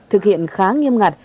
thực hiện khá nghiêm ngặt